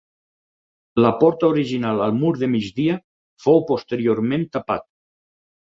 La porta original al mur de migdia fou posteriorment tapat.